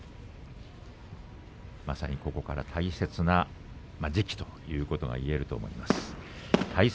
まさにここから大切な時期といえると思います。